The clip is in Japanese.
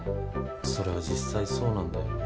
それは実際そうなんだよね。